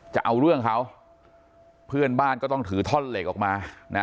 จะเอาเรื่องเขาเพื่อนบ้านก็ต้องถือท่อนเหล็กออกมานะ